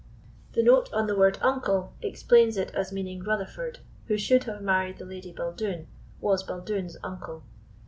The note on the word "uncle" explains it as meaning "Rutherfoord, who should have married the Lady Baldoon, was Baldoon's uncle."